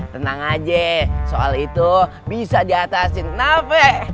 tenang aja soal itu bisa diatasin nafek